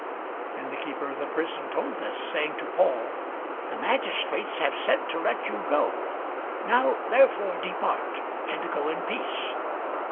And the keeper of the prison told this saying to Paul, The magistrates have sent to let you go: now therefore depart, and go in peace.